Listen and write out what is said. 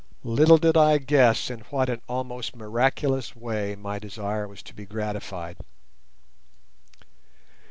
Little did I guess in what an almost miraculous way my desire was to be gratified.